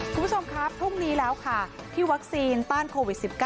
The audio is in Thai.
คุณผู้ชมครับพรุ่งนี้แล้วค่ะที่วัคซีนต้านโควิด๑๙